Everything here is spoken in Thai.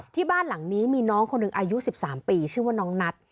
ที่บ้านหลังนี้มีน้องคนหนึ่งอายุ๑๓ปีชื่อว่าน้องนัท